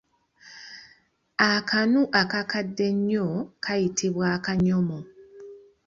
Akanu akakadde ennyo kayitibwa Akanyoomo.